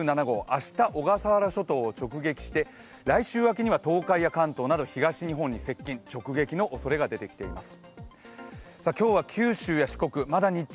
明日、小笠原諸島を直撃して来週明けには東海や関東など東日本に接近、直撃のおそれが出てきています。